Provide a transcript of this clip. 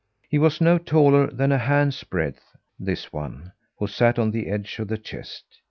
He was no taller than a hand's breadth this one, who sat on the edge of the chest.